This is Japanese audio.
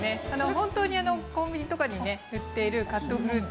本当にコンビニとかに売っているカットフルーツ